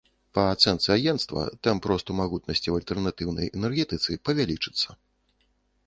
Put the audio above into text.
Па ацэнцы агенцтва, тэмп росту магутнасці ў альтэрнатыўнай энергетыцы павялічыцца.